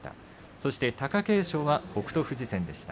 そして貴景勝は北勝富士戦でした。